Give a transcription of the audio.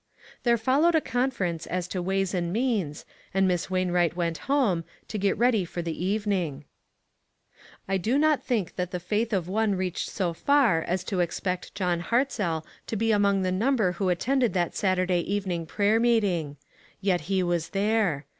There followed a conference as to ways and means, and Miss Wainwright went home, to get ready for the evening. 3O2 ONE COMMONPLACE DAY. » I do not think that the faith of one reached so far as to expect John Hartzell to be among the number who attended that Saturday evening prayer meeting. Yet he was there.